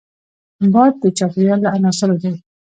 باد د چاپېریال له عناصرو دی